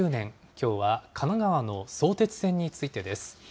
きょうは神奈川の相鉄線についてです。